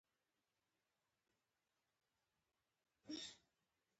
زه هره ورځ یو ښه کار کوم.